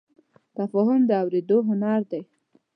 تفاهم د اورېدو هنر دی.